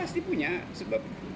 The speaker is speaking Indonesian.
pasti punya sebabnya